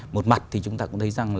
một mặt thì chúng ta cũng thấy rằng